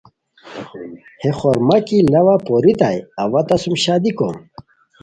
ہے خورما کی لاوا پوریتائے اوا تہ سوم شادی کوم